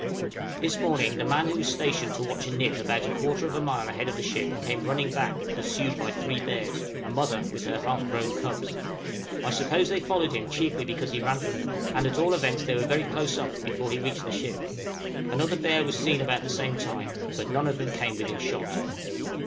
This morning the man who was stationed to watch a nip about a quarter of a mile ahead of the ship, came running back, pursued by three bears a mother with her half grown cubs. I suppose they followed him chiefly because he ran from them; and at all events they were very close up before he reached the ship. Another bear was seen about the same time, but none of them came within shot.